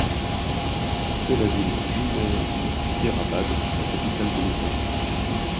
C'est la ville jumelle d'Hyderabad, la capitale de l'État.